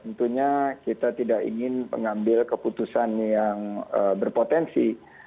tentunya kita tidak ingin mengambil keputusan yang berpotensi